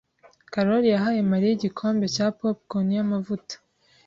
Karoli yahaye Mariya igikombe cya popcorn yamavuta.